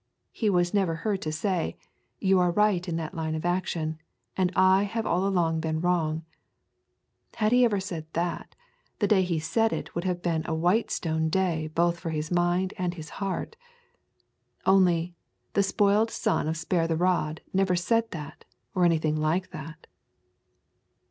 He was never heard to say, You are right in that line of action, and I have all along been wrong. Had he ever said that, the day he said it would have been a white stone day both for his mind and his heart. Only, the spoiled son of Spare the Rod never said that, or anything like that.